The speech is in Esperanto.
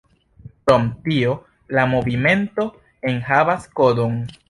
Krom tio la movimento enhavas kodon.